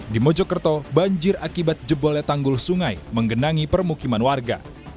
di mojokerto banjir akibat jebolnya tanggul sungai menggenangi permukiman warga